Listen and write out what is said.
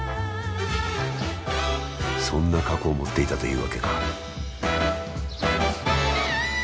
そんな過去を持っていたというわけか。